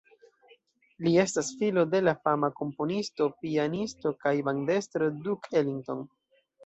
Li estas filo de la fama komponisto, pianisto kaj bandestro Duke Ellington.